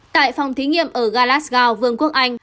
tại phòng thí nghiệm ở glasgow vương quốc anh